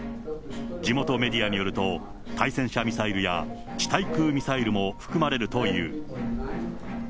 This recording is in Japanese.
地元メディアによると、対戦車ミサイルや地対空ミサイルも含まれるという。